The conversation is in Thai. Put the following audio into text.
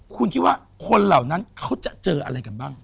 คุณคิดว่าคนเหล่านั้นเขาจะเจออะไรกันบ้าง